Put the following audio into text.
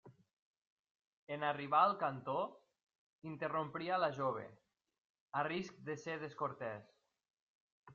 En arribar al cantó, interrompria la jove, a risc de ser descortès.